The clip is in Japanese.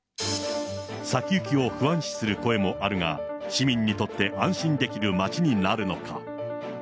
先行きを不安視する声もあるが、市民にとって安心できる街になるのか。